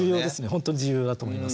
本当に重要だと思います。